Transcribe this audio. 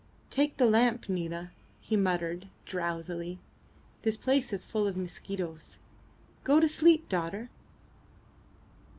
"Take the lamp, Nina," he muttered, drowsily. "This place is full of mosquitoes. Go to sleep, daughter."